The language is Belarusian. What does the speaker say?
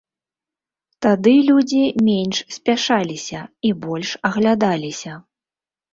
Тады людзі менш спяшаліся і больш аглядаліся.